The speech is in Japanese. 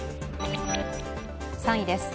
３位です。